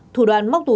thủ đoàn móc túi